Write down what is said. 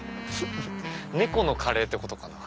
猫のカレーってことかな。